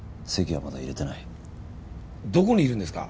どこにいるんですか？